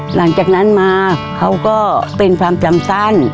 หลังจากนั้นมาเขาก็เป็นความจำสั้น